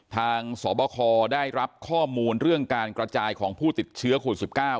สบคได้รับข้อมูลเรื่องการกระจายของผู้ติดเชื้อโควิด๑๙